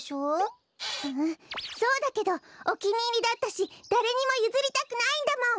んそうだけどおきにいりだったしだれにもゆずりたくないんだもん！